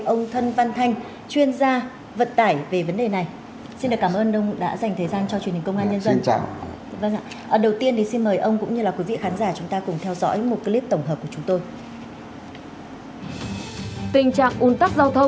ông thân văn thanh chuyên gia vận tải về vấn đề này